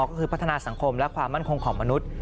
ก็คือพัฒนาสังคมและความมั่นคงของมนุษย์